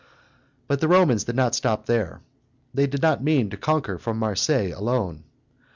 But the Romans did not stop there. They did not mean to conquer for Marseilles alone.